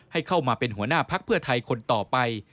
ให้เข้ามาเป็นหัวหน้าพักเพื่อไทยคนต่อไป